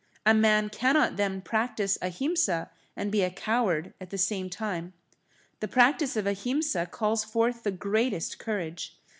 A man cannot then practice Ahimsa and be a coward at the same time. The practice of Ahimsa calls forth the greatest courage.